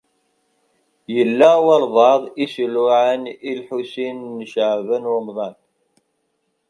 Yella walebɛaḍ i s-iluɛan i Lḥusin n Caɛban u Ṛemḍan.